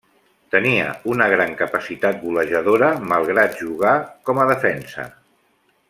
Tenia una gran capacitat golejadora malgrat jugar com a defensa.